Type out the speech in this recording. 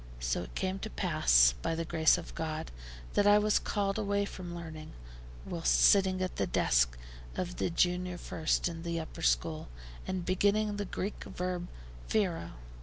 So it came to pass, by the grace of God, that I was called away from learning, whilst sitting at the desk of the junior first in the upper school, and beginning the Greek verb [Greek word].